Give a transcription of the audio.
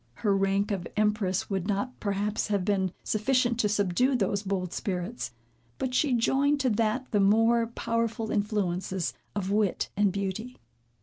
Her rank of empress would not, perhaps, have been sufficient to subdue those bold spirits; but she joined to that the more powerful influences of wit and beauty.